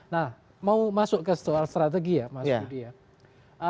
nah mau masuk ke soal strategi ya mas budi ya